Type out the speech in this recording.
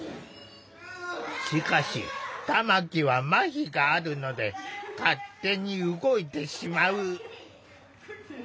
しかし玉木はまひがあるので勝手に動いてしまう。